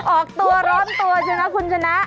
ออกตัวร้อนตัวใช่ไหมคุณชนะ